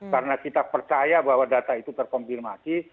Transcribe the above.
karena kita percaya bahwa data itu terkompirmasi